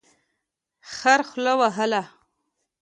خر خوله وهله.